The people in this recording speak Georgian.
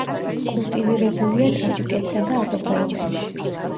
კულტივირებულია ტაჯიკეთსა და აზერბაიჯანში.